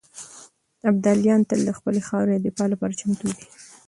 ابداليان تل د خپلې خاورې د دفاع لپاره چمتو دي.